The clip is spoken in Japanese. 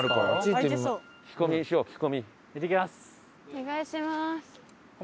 お願いします。